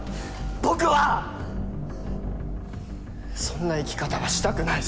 そんな生き方はしたくない。